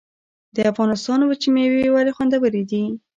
د افغانستان وچې میوې ولې خوندورې دي؟